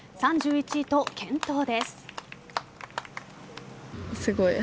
３１位と健闘です。